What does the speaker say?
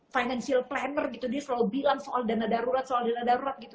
financial planner gitu dia selalu bilang soal dana darurat soal dana darurat gitu